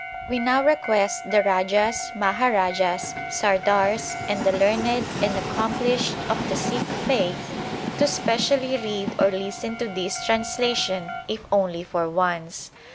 We now request the Rajas, Maharajas, Sardars, and the learned and accomplished of the Sikh faith to specially read or listen to this translation, if only for once.